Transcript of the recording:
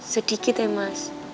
sedikit ya mas